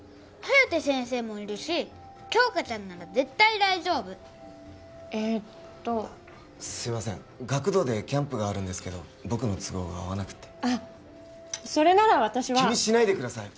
颯先生もいるし杏花ちゃんなら絶対大丈夫えーっとすいません学童でキャンプがあるんですけど僕の都合が合わなくてあっそれなら私は気にしないでください